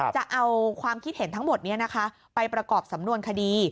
จะเอาความคิดเห็นทั้งหมดนี้นะคะไปประกอบสำนวนคดี